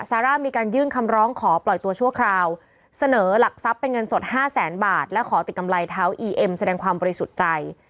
ซาร่ามีการยื่นคำร้องขอปล่อยตัวชั่วคราวเสนอหลักทรัพย์เป็นเงินสดห้าแสนบาทและขอติดกำไรเท้าอีเอ็มแสดงความบริสุทธิ์ใจ